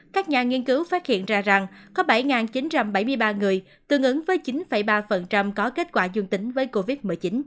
các nhà nghiên cứu phát hiện ra rằng có bảy chín trăm bảy mươi ba người tương ứng với chín ba có kết quả dương tính với covid một mươi chín